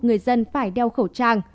người dân phải đeo khẩu trang